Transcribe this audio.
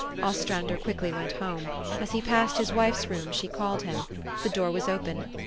Ostrander went quickly home. As he passed his wife's room, she called him. The door was open.